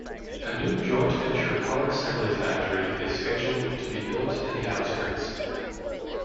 A new joint-venture car assembly factory is scheduled to be built in the outskirts.